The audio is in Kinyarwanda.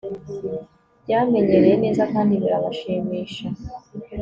Byamenyereye neza kandi birabashimisha